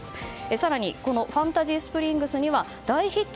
更にこのファンタジースプリングスは大ヒット